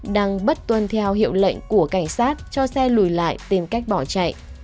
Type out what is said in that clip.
đang bất tuân theo hiệu lệnh của cảnh sát cho xe lùi lại tìm cách bỏ chạy